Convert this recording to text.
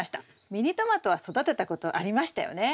ミニトマトは育てたことありましたよね？